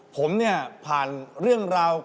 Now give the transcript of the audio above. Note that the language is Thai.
ผมเนี่ยผ่านเรื่องราว